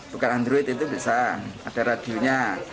bukan android itu bisa ada radionya